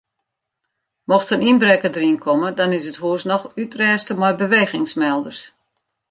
Mocht in ynbrekker deryn komme dan is it hûs noch útrêste mei bewegingsmelders.